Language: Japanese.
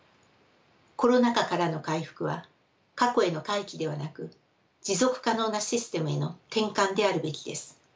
コロナ禍からの回復は過去への回帰ではなく持続可能なシステムへの転換であるべきです。